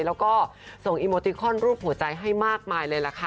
แล้วก็ส่งอีโมติคอนรูปหัวใจให้มากมายเลยล่ะค่ะ